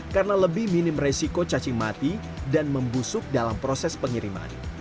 karena lebih minim resiko cacing mati dan membusuk dalam proses pengiriman